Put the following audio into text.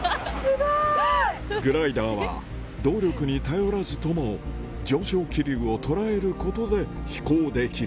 グライダーは、動力に頼らずとも、上昇気流を捉えることで飛行できる。